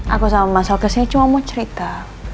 aku sama masyarakat sini cuma mau cerita